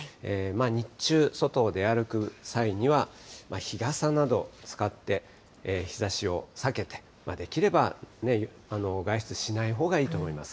日中、外を出歩く際には、日傘などを使って、日ざしを避けて、できれば外出しないほうがいいと思います。